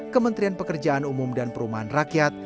kementerian pekerjaan umum dan perumahan rakyat